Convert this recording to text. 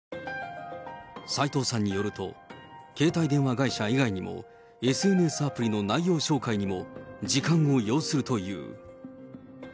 齊藤さんによると、携帯電話会社以外にも、ＳＮＳアプリの内容照会にも時間を要するという。